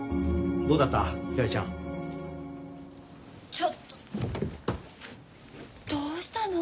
ちょっとどうしたの！？